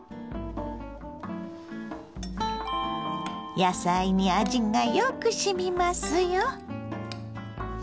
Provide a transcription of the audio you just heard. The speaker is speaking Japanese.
野菜に味がよくしみますよ。